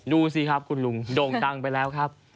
ดูสิครับคุณลุงโด่งดังไปแล้วครับ